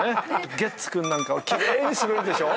ゲッツ君なんかは奇麗にスベるでしょ。